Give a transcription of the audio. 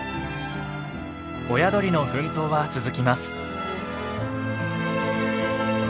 親鳥の奮闘は続きます。